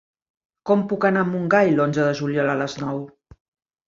Com puc anar a Montgai l'onze de juliol a les nou?